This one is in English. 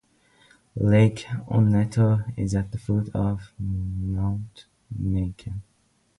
Lake Onneto is at the foot of Mount Meakan.